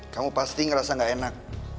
kamu pasti ngerasa gak enak